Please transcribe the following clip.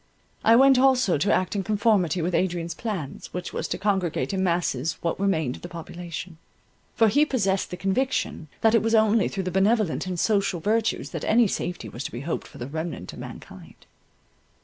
I went also to act in conformity with Adrian's plans, which was to congregate in masses what remained of the population; for he possessed the conviction that it was only through the benevolent and social virtues that any safety was to be hoped for the remnant of mankind.